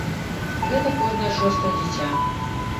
Гэта кожнае шостае дзіця.